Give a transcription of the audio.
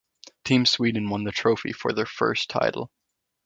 Team Sweden won the Trophy for their first title.